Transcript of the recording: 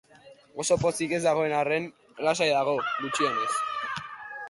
Oso pozik ez dagoen arren, lasai dago, gutxienez.